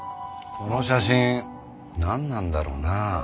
この写真なんなんだろうな？